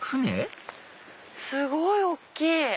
すごい大っきい。